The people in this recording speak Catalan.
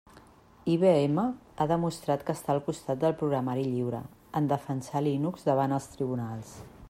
IBM ha demostrat que està al costat del programari lliure en defensar Linux davant els tribunals.